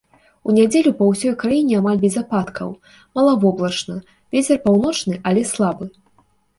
У нядзелю па ўсёй краіне амаль без ападкаў, малавоблачна, вецер паўночны але слабы.